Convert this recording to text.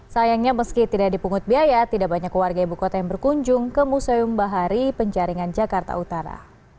sayangnya meski tidak dipungut biaya tidak banyak warga ibu kota yang berkunjung ke museum bahari penjaringan jakarta utara